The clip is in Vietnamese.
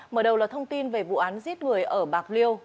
mở đầu là thông tin về vụ án giết người ở bạc liêu